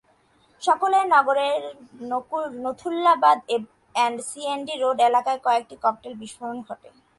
সকালে নগরের নথুল্লাবাদ এবং সিঅ্যান্ডবি রোড এলাকায় কয়েকটি ককটেল বিস্ফোরণ ঘটে।